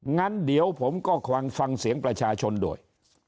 งั้นเดี๋ยวผมก็ฟังเสียงประชาชนด้วย